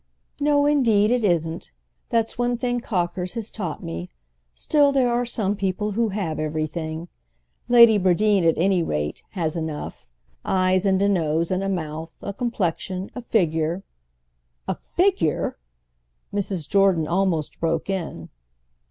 "No, indeed, it isn't: that's one thing Cocker's has taught me. Still, there are some people who have everything. Lady Bradeen, at any rate, has enough: eyes and a nose and a mouth, a complexion, a figure—" "A figure?" Mrs. Jordan almost broke in.